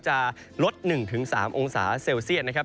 จะลด๑๓องศาเซลเซียตนะครับ